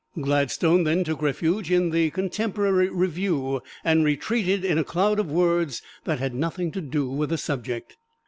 Gladstone then took refuge in the "Contemporary Review," and retreated in a cloud of words that had nothing to do with the subject.